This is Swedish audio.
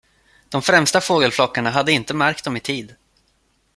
De främsta fågelflockarna hade inte märkt dem i tid.